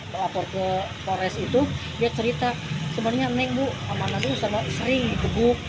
melapor ke pores itu dia cerita sebenarnya nenek bu sama nabi sering dikebuk